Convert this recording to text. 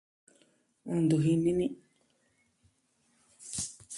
Ntu jini ni.